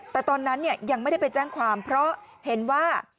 แต่ตอนนั้นยังไม่ได้ไปแจ้งความเพราะเห็นว่า